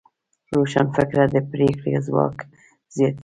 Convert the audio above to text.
روښانه فکر د پرېکړې ځواک زیاتوي.